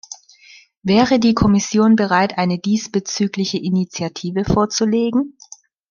Wäre die Kommission bereit, eine diesbezügliche Initiative vorzulegen?